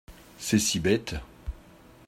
C’est si bête !…